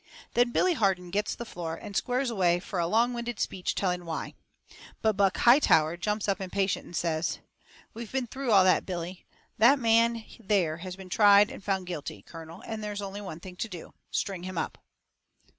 Then Billy Harden gets the floor, and squares away fur a longwinded speech telling why. But Buck Hightower jumps up impatient and says: "We've been through all that, Billy. That man there has been tried and found guilty, colonel, and there's only one thing to do string him up."